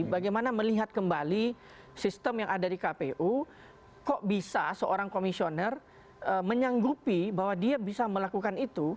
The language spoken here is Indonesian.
bagaimana melihat kembali sistem yang ada di kpu kok bisa seorang komisioner menyanggupi bahwa dia bisa melakukan itu